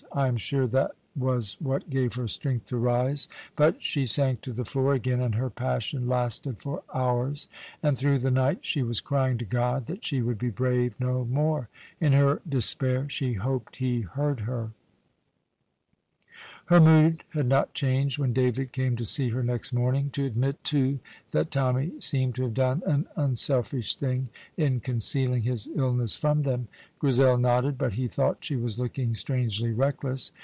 I am sure that was what gave her strength to rise; but she sank to the floor again, and her passion lasted for hours. And through the night she was crying to God that she would be brave no more. In her despair she hoped he heard her. Her mood had not changed when David came to see her next morning, to admit, too, that Tommy seemed to have done an unselfish thing in concealing his illness from them. Grizel nodded, but he thought she was looking strangely reckless.